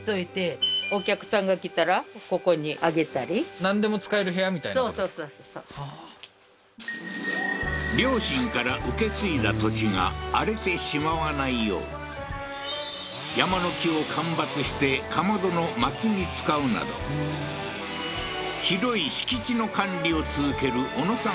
なるほどね両親から受け継いだ土地が荒れてしまわないよう山の木を間伐して竈の薪に使うなど広い敷地の管理を続ける小野さん